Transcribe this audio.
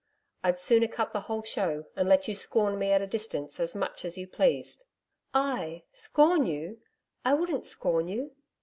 I'd sooner cut the whole show, and let you scorn me at a distance as much as you pleased.' 'I scorn you! ... I wouldn't scorn you.'